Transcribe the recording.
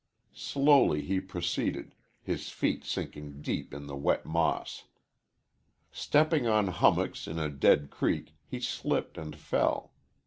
Slowly he proceeded, his feet sinking deep in the wet moss. Stepping on hummocks in a dead creek, he slipped and fell.